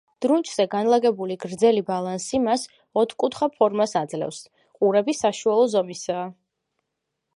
დრუნჩზე განლაგებული გრძელი ბალანი მას ოთხკუთხა ფორმას აძლევს, ყურები საშუალო ზომისაა.